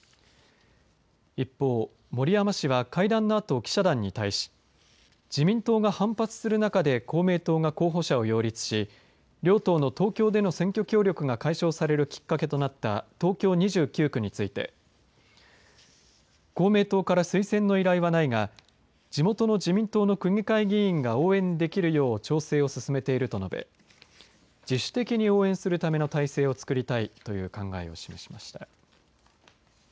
一方、森山氏は会談のあと記者団に対し自民党が反発する中で公明党が候補者を擁立し両党の東京での選挙協力が解消されるきっかけとなった東京２９区について公明党から推薦の依頼はないが地元の自民党の区議会議員が応援できるよう調整を進めていると述べ自主的に応援するための体制をつくりたいという考えを示しました。